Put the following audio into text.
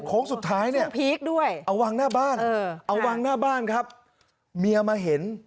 โค้งสุดท้ายเนี่ยเอาวางหน้าบ้านเอาวางหน้าบ้านครับเมียมาเห็น